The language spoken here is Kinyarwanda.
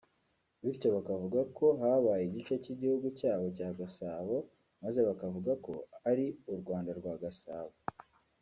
bityo bakavuga ko habaye igice cy’igihugu cyabo cya Gasabo maze bakavuga ko ari u Rwanda rwa Gasabo